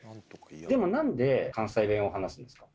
でもなんで関西弁を話すんですか？